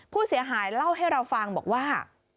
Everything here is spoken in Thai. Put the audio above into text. ผู้เสียหายเล่าให้เราฟังบอกว่า